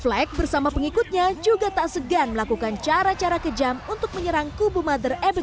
flagg bersama pengikutnya juga tak segan melakukan cara cara kejam untuk membuat mereka terhormat